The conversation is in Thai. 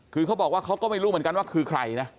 คือเขาบอกว่าเขาก็ไม่รู้เหมือนกันว่าคือใครนะ